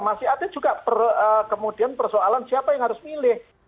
masih ada juga kemudian persoalan siapa yang harus milih